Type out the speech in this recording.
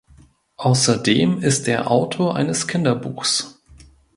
Außerdem ist er Autor eines Kinderbuchs.